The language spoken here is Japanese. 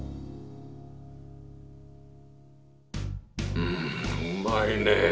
うんうまいね。